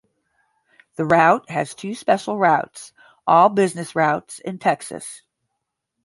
The route has two special routes, all business routes in Texas.